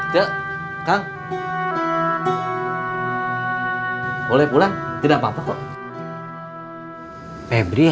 jangan lupa like share dan subscribe